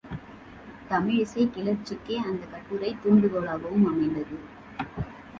தமிழிசைக் கிளர்ச்சிக்கே அந்தக் கட்டுரை தூண்டுகோலாகவும் அமைந்தது.